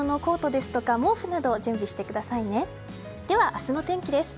では明日の天気です。